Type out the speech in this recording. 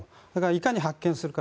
いかに発見するか